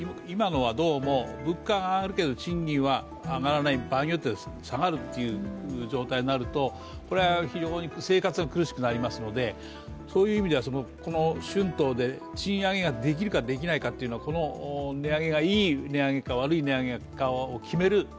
今のはどうも、物価が上がるけど賃金は上がらない、場合によっては下がるという状態になると、これは非常に生活が苦しくなりますのでそういう意味では春闘で賃上げができるかできないかがこの値上げがいい値上げか悪い値上げかを決める